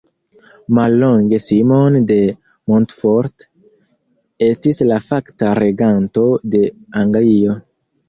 Mallonge Simon de Montfort estis la fakta reganto de Anglio.